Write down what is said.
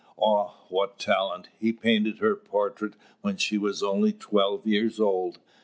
Ah, what talent! He painted her portrait when she was only twelve years old.